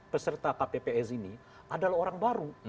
peserta kpps ini adalah orang baru